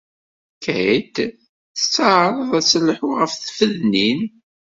Kate tettɛaraḍ ad telḥu ɣef tfednin.